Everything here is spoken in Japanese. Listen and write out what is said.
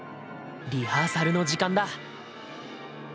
リハーサルの時間だ。